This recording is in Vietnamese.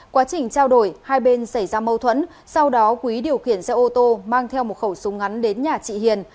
quá trình trao đổi hai bên xảy ra mâu thuẫn sau đó quý điều khiển xe ô tô mang theo một khẩu súng ngắn đến nhà chị hiền